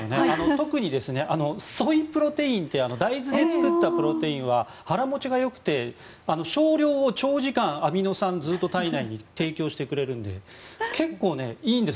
特にソイプロテインという大豆で作ったプロテインは腹持ちがよくて少量を長時間アミノ酸を体内に提供してくれるので結構いいんです。